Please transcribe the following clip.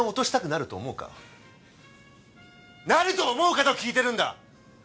なると思うかと聞いてるんだ！